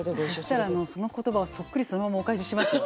そしたらその言葉をそっくりそのままお返ししますよ。